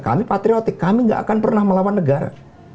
kami patriotik kami gak akan pernah melawan negara